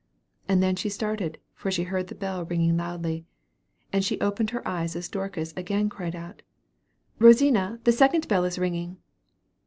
And then she started, for she heard the bell ring loudly; and she opened her eyes as Dorcas again cried out, "Rosina, the second bell is ringing."